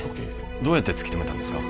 どうやって突き止めたんですか？